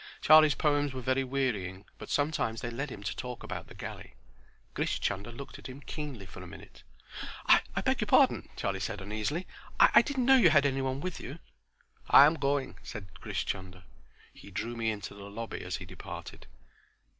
Charlie's poems were very wearying, but sometimes they led him to talk about the galley. Grish Chunder looked at him keenly for a minute. "I beg your pardon," Charlie said, uneasily; "I didn't know you had any one with you." "I am going," said Grish Chunder. He drew me into the lobby as he departed.